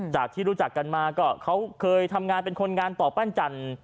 จากที่รู้จักกันมาก็เขาเคยทำงานเป็นคนงานต่อปั้นจันทร์